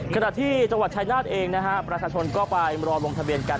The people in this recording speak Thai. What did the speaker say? ขณะที่จังหวัดชายนาฏเองนะฮะประชาชนก็ไปรอลงทะเบียนกัน